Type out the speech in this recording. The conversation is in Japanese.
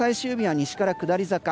連休最終日は西から下り坂。